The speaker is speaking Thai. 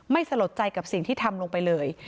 ไม่สะหรอดใจกับสิ่งที่ทำลงไปเลย